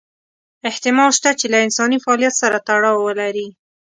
احتمال شته چې له انساني فعالیت سره تړاو ولري.